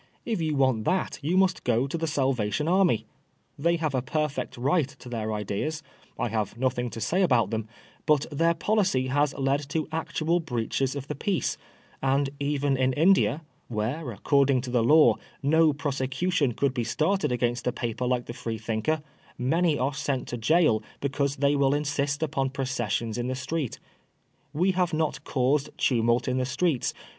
If you want that you must go to the Salvation Army. They have a perfect right to their ideas—I have nothing to say about them ; but their policy has led to actual breaches of the OX7B INDIOTMENT. 45 peace ; and even in India, where, according to the law, no prose cution could be started against a paper like the FreMinher^ many are sent to gaol because they will insist upon processions in the street We have not caused tumult in the streets.